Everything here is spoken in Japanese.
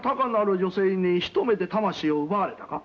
女性に一目で魂を奪われたか。